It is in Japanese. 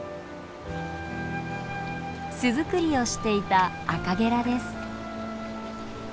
巣づくりをしていたアカゲラです。